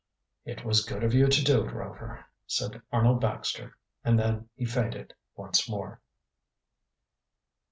"It was good of you to do it, Rover," said Arnold Baxter, and then he fainted once more.